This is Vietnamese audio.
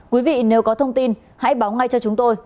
quý vị nếu có thông tin hãy báo ngay cho chúng tôi